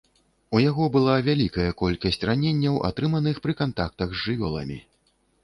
У яго была вялікая колькасць раненняў, атрыманых пры кантактах з жывёламі.